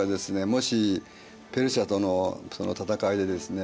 もしペルシアとの戦いでですね